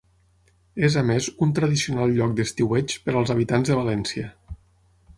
És a més un tradicional lloc d'estiueig per als habitants de València.